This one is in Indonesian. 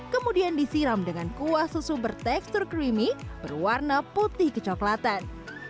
kemudian disiram dengan kuah susu bertekstur creamy berwarna putih kecoklatan